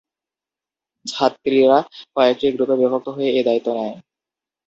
ছাত্রীরা কয়েকটি গ্রুপে বিভক্ত হয়ে এ দায়িত্ব নেয়।